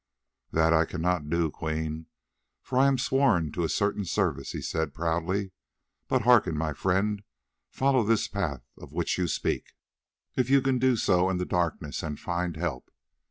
"That I cannot do, Queen, for I am sworn to a certain service," he said proudly. "But hearken, my friend; follow this path of which you speak, if you can do so in the darkness, and find help.